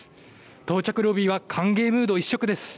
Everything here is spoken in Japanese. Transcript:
到着ロビーは歓迎ムード一色です。